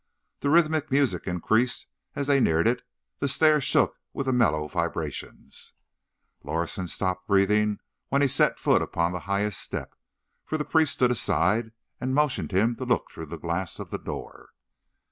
The rhythmic music increased as they neared it; the stairs shook with the mellow vibrations. Lorison stopped breathing when he set foot upon the highest step, for the priest stood aside, and motioned him to look through the glass of the door.